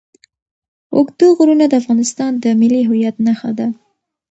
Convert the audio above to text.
اوږده غرونه د افغانستان د ملي هویت نښه ده.